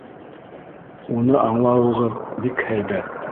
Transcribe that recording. Уны аңлауығыҙ бик һәйбәт.